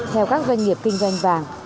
theo các doanh nghiệp kinh doanh vàng